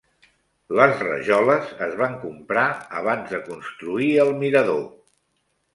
Les rajoles es van comprar abans de construir el mirador.